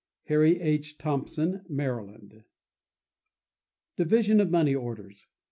—Harry H. Thompson, Maryland. Division of Money Orders.